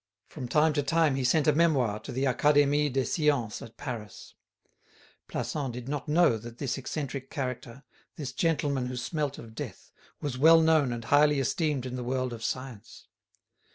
From time to time he sent a memoir to the Academie des Sciences at Paris. Plassans did not know that this eccentric character, this gentleman who smelt of death was well known and highly esteemed in the world of science.